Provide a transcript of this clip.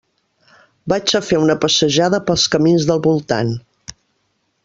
Vaig a fer una passejada pels camins del voltant.